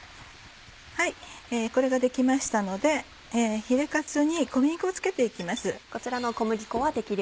これができましたのでヒレカツに小麦粉を付けて行きます。